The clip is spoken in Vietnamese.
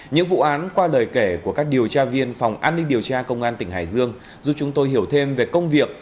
những vụ án qua lời kể của các điều tra viên phòng an ninh điều tra công an tỉnh hải dương giúp chúng tôi hiểu thêm về công việc